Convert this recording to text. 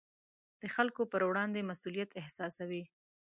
د خلکو پر وړاندې مسوولیت احساسوي.